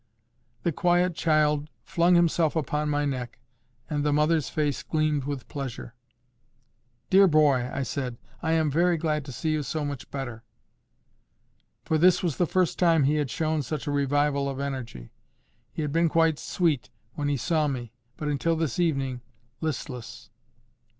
The quiet child FLUNG himself upon my neck, and the mother's face gleamed with pleasure. "Dear boy!" I said, "I am very glad to see you so much better." For this was the first time he had shown such a revival of energy. He had been quite sweet when he saw me, but, until this evening, listless.